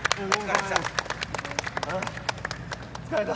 疲れた。